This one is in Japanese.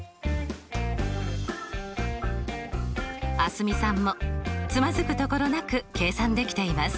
蒼澄さんもつまずくところなく計算できています。